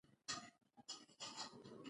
د احمد لېنګي وګړبېدل او نسکور پرېوت.